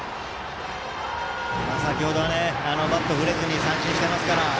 先ほどはバット振れずに三振してますから。